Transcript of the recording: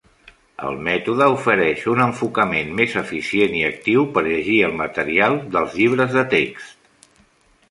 El mètode ofereix un enfocament més eficient i actiu per llegir el material dels llibres de text.